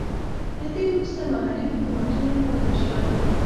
له دې وروسته محلي حکومتونه پاتې شول.